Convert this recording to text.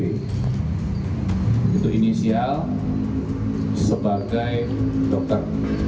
itu inisial sebagai dokter